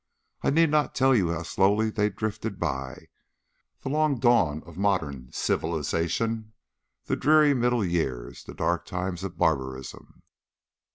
I need not tell you how slowly they drifted by, the long dawn of modern civilisation, the dreary middle years, the dark times of barbarism.